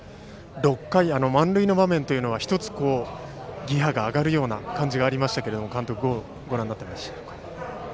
６回、満塁の場面は１つギヤが上がる感じがありましたが監督はどうご覧になっていましたか？